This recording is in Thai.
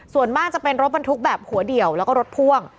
ส่วนมากจะเป็นรถบรรทุกแบบหัวเดี่ยวแล้วก็รถพ่วง